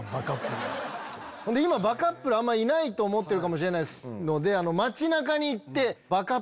今バカップルあんまいないと思ってるかもしれないので。